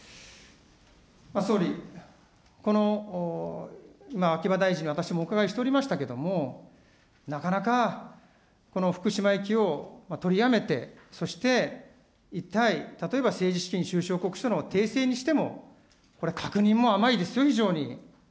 総理、この今、秋葉大臣に私もお伺いしておりましたけれども、なかなかこの福島行きを取りやめて、そして一体、例えば政治資金収支報告書の訂正にしても、これ確認も甘いですよ、非常に。